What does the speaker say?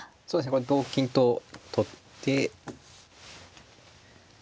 これ同金と取って同歩